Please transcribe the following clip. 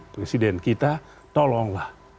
presiden kita tolonglah